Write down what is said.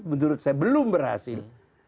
menurut saya belum berhasil